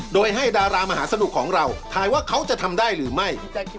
โดยให้ดารามหาสนุกของเราทายว่าเขาจะทำได้หรือไม่